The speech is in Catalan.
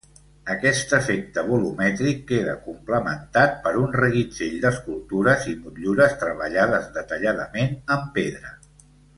Aquest efecte volumètric queda complementat per un reguitzell d'escultures i motllures treballades detalladament en pedra.